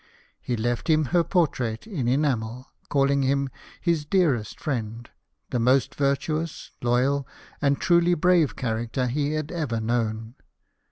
He left him her portrait in enamel, calling him his dearest friend, the most virtuous, loyal, and truly brave character he had ever known.